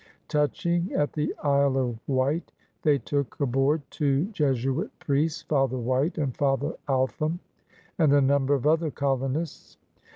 Touching at the Isle of Wight, they took aboard two Jesuit priests. Father White and Father Altham, and a number of other colonists.